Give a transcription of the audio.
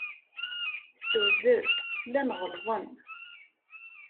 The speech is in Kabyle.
S tewzel, llan ɣelḍen.